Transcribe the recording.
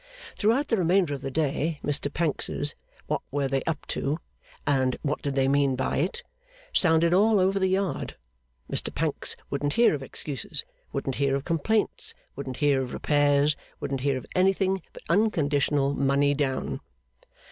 Throughout the remainder of the day, Mr Pancks's What were they up to? and What did they mean by it? sounded all over the Yard. Mr Pancks wouldn't hear of excuses, wouldn't hear of complaints, wouldn't hear of repairs, wouldn't hear of anything but unconditional money down.